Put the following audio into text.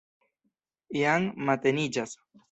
Jam mateniĝas.